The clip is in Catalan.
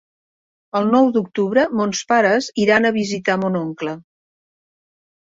El nou d'octubre mons pares iran a visitar mon oncle.